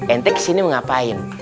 ente kesini mau ngapain